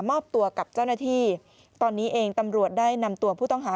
ตัวกับเจ้าหน้าที่ตอนนี้เองตำรวจได้นำตัวผู้ต้องหา